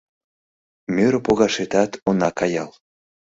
Мӧрӧ погашетат она каял.